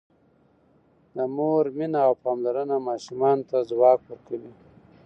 د مور مینه او پاملرنه ماشومانو ته ځواک ورکوي.